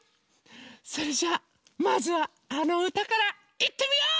それじゃあまずはあのうたからいってみよう！